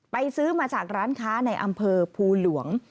ซื้อมาจากร้านค้าในอำเภอภูหลวง